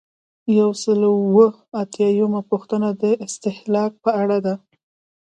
یو سل او اووه اتیایمه پوښتنه د استهلاک په اړه ده.